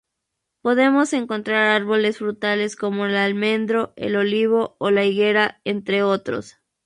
Podemos encontrar árboles frutales como el almendro, el olivo o la higuera, entre otros.